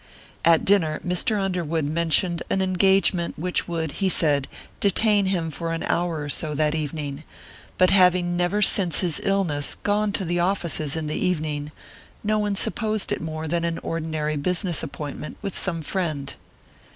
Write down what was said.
At dinner Mr. Underwood mentioned an engagement which would, he said, detain him for an hour or so that evening, but having never since his illness gone to the offices in the evening, no one supposed it more than an ordinary business appointment with some friend.